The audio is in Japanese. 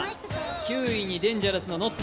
９位にデンジャラスのノッチ。